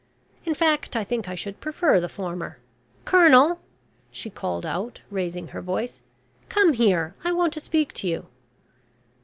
In fact, I think I should prefer the former. Colonel!" she called out, raising her voice. "Come here, I want to speak to you."